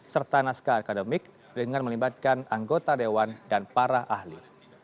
serta naskah akademik dengan melibatkan anggota dewan dan para ahli